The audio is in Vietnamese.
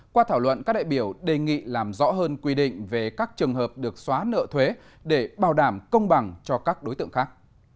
qua thảo luận các đại biểu đề nghị làm rõ hơn quy định về các trường hợp được xóa nợ thuế để bảo đảm công bằng cho các đối tượng khác